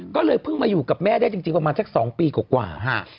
ก็เลยเพิ่งมาอยู่กับแม่ได้จริงประมาณสัก๒ปีกว่า